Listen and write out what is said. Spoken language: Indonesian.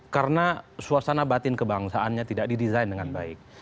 karena suasana batin kebangsaannya tidak di design dengan baik